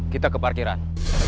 kita ke parkiran